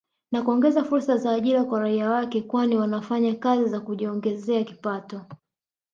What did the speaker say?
Na kuongeza fursa za ajira kwa raia wake kwani wanafanya kazi na kujiongezea kipato